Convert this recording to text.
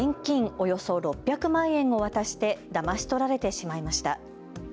およそ６００万円を渡してだまし取られてしまいました。